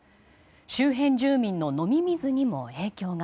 周辺住民の飲み水にも影響が。